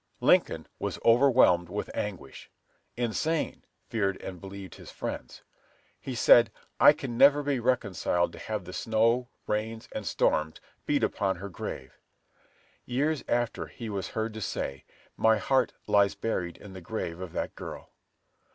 Lincoln was overwhelmed with anguish; insane, feared and believed his friends. He said, "I can never be reconciled to have the snow, rains, and storms beat upon her grave." Years after he was heard to say, "My heart lies buried in the grave of that girl."